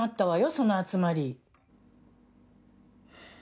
その集まり。